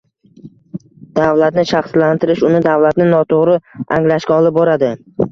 Davlatni shaxslashtirish uni – davlatni noto‘g‘ri anglashga olib boradi